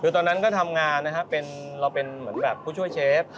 คือตอนนั้นก็ทำงานนะครับเราเป็นเหมือนแบบผู้ช่วยเชฟ